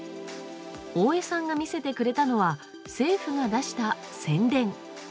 大江さんが見せてくれたのは政府が出した宣伝。